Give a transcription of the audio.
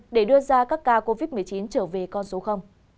để đưa ra các ca covid một mươi chín trở về con số